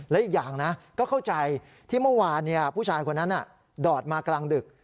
และอีกอย่างนะก็เข้าใจที่เมื่อวานผู้ชายคนนั้นดอดมากลางดึก